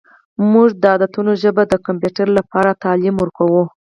موږ د عددونو ژبه د کمپیوټر لپاره تعلیم ورکوو.